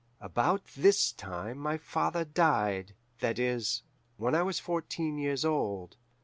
"About this time my father died that is, when I was fourteen years old.